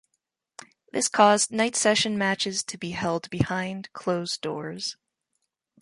This caused night session matches to be held behind closed doors.